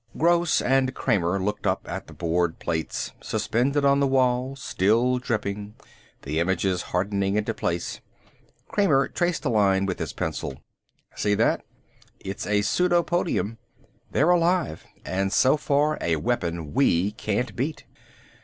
Gross and Kramer looked up at the board plates, suspended on the wall, still dripping, the images hardening into place. Kramer traced a line with his pencil. "See that? It's a pseudopodium. They're alive, and so far, a weapon we can't beat.